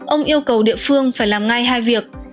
ông yêu cầu địa phương phải làm ngay hai việc